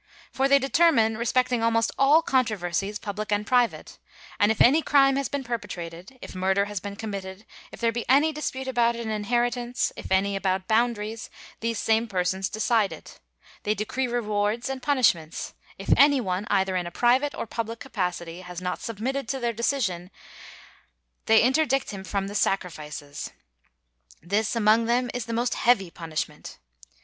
For they determine respecting almost all controversies, public and private; and if any crime has been perpetrated, if murder has been committed, if there be any dispute about an inheritance, if any about boundaries, these same persons decide it; they decree rewards and punishments; if any one, either in a private or public capacity, has not submitted to their decision, they interdict him from the sacrifices. This among them is the most heavy punishment.